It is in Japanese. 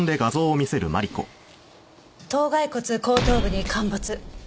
頭骸骨後頭部に陥没。